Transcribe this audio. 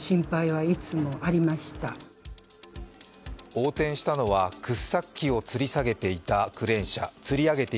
横転したのは掘削機をつり上げていたクレーン車。